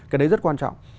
cái đấy rất quan trọng